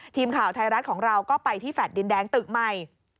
ทีมข่าวไทยรัฐของเราก็ไปที่แฟลต์ดินแดงตึกใหม่